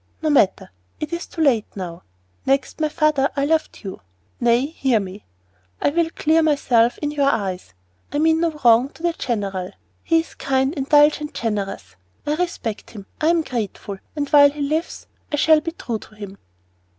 No matter, it is too late now. Next my father, I loved you. Nay, hear me I will clear myself in your eyes. I mean no wrong to the general. He is kind, indulgent, generous; I respect him I am grateful, and while he lives, I shall be true to him."